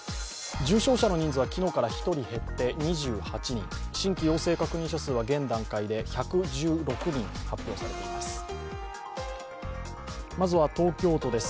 重症者の人数は昨日から１人減って２８人、新規陽性確認者数は現段階で１１６人、発表されています。